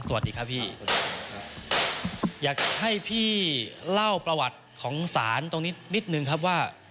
สวัสดีครับพี่อยากให้พี่เล่าประวัติของศาลตรงนี้นิดนึงครับว่า